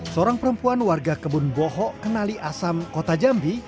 seorang perempuan warga kebun boho kenali asam kota jambi